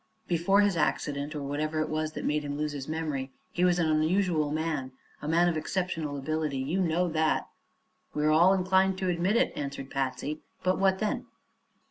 "Before his accident, or whatever it was that made him lose his memory, he was an unusual man, a man of exceptional ability. You know that." "We are all inclined to admit it," answered Patsy. "But what then?"